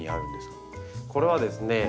これはですね